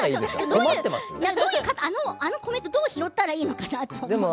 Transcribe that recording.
どういう方、あのコメントどう拾ったらいいのかなって。